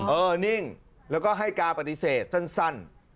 นิ่งแล้วก็ให้การปฏิเสธสั้น